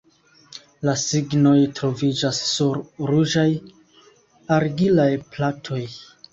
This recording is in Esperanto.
La signoj troviĝas sur ruĝaj argilaj platoj.